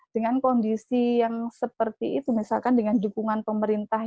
dengan kondisi yang seperti itu misalkan dengan dukungan pemerintah